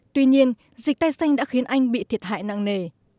tuy nhiên dịch tay xanh đã khiến anh bị thiệt hại nặng nề